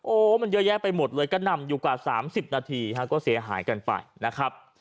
โอ้โหมันเยอะแยะไปหมดเลยก็นำอยู่กว่า๓๐นาทีฮะก็เสียหายกันไปนะครับ